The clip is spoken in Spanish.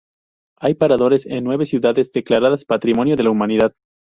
Hay paradores en nueve ciudades declaradas Patrimonio de la Humanidad.